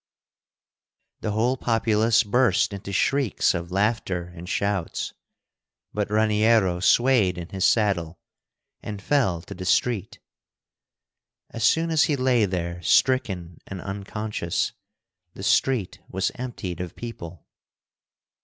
The whole populace burst into shrieks of laughter and shouts, but Raniero swayed in his saddle and fell to the street. As soon as he lay there stricken and unconscious, the street was emptied of people.